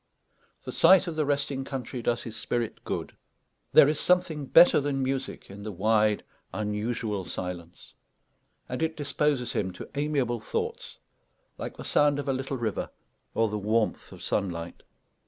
The sight of the resting country does his spirit good. There is something better than music in the wide, unusual silence; and it disposes him to amiable thoughts, like the sound of a little river or the warmth of sunlight.